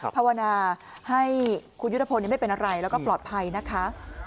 ภาวนาให้คุณยุทธพลไม่เป็นอะไรแล้วก็ปลอดภัยนะคะ